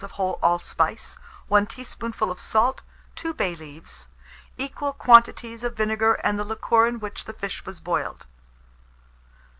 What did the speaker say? of whole allspice, 1 teaspoonful of salt, 2 bay leaves, equal quantities of vinegar and the liquor in which the fish was boiled.